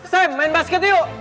sam main basket yuk